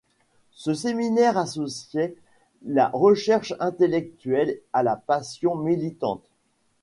Ce séminaire associait la recherche intellectuelle à la passion militante.